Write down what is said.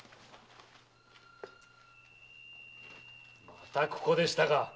またここでしたか。